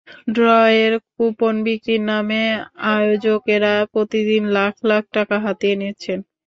ড্রয়ের coupon বিক্রির নামে আয়োজকেরা প্রতিদিন লাখ লাখ টাকা হাতিয়ে নিচ্ছেন।